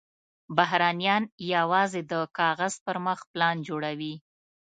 بهرنیان یوازې د کاغذ پر مخ پلان جوړوي.